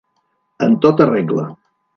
En tota regla.